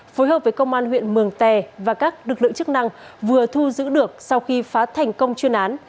phối hợp với công an huyện mường tè và các lực lượng chức năng vừa thu giữ được sau khi phá thành công chuyên án